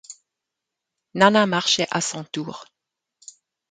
Nana marchait à son tour.